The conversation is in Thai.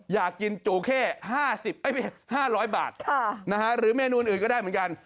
อยากกินจูเข้๕๐๐บาทหรือเมนูอื่นก็ได้เหมือนกัน